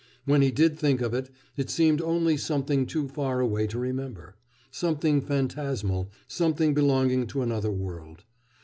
When he did think of it, it seemed only something too far away to remember, something phantasmal, something belonging to another world.